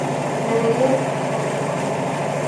Deberías estar componiendo".